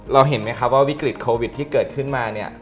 เห็นไหมครับว่าวิกฤตโควิดที่เกิดขึ้นมาเนี่ย